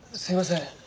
すいません。